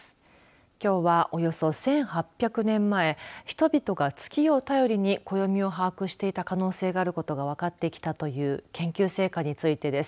きょうは、およそ１８００年前人々が月を頼りに暦を把握していた可能性があることが分かってきたという研究成果についてです。